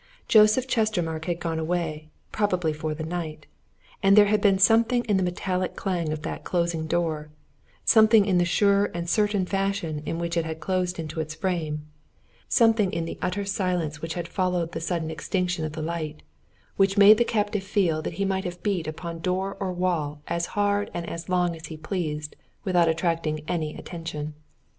Joseph Chestermarke had gone away probably for the night. And there had been something in the metallic clang of that closing door, something in the sure and certain fashion in which it had closed into its frame, something in the utter silence which had followed the sudden extinction of the light, which made the captive feel that he might beat upon door or wall as hard and as long as he pleased without attracting any attention.